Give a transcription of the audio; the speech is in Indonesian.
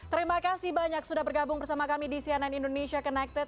terima kasih banyak sudah bergabung bersama kami di cnn indonesia connected